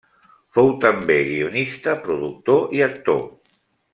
Fou també guionista, productor i actor.